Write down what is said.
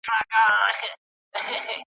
د نصیب تږی پیدا یم له خُمار سره مي ژوند دی .